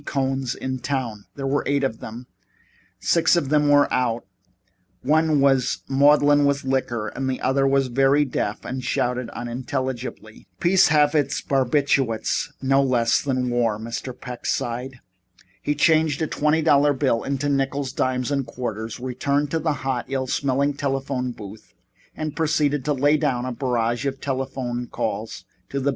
Cohns in town. There were eight of them and six of them were out, one was maudlin with liquor and the other was very deaf and shouted unintelligibly. "Peace hath its barbarities no less than war," Mr. Peck sighed. He changed a twenty dollar bill into nickles, dimes and quarters, returned to the hot, ill smelling telephone booth and proceeded to lay down a barrage of telephone calls to the B.